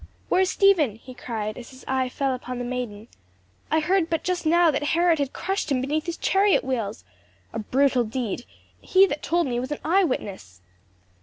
"Where is Stephen?" he cried, as his eye fell upon the maiden. "I heard but just now that Herod had crushed him beneath his chariot wheels. A brutal deed. He that told me was an eye witness."